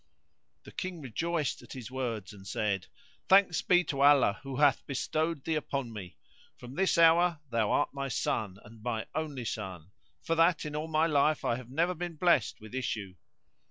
The King rejoiced at his words and said, "Thanks be to Allah who hath bestowed thee upon me! From this hour thou art my son and my only son, for that in all my life I have never been blessed with issue."